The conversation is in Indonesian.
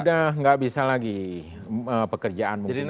sudah tidak bisa lagi pekerjaan mungkin tidak ada